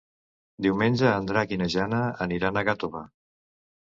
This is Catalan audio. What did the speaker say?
Diumenge en Drac i na Jana aniran a Gàtova.